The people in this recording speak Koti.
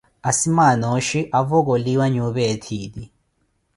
Asimaana ooxhi avokoliwa nyuupa ethiiti.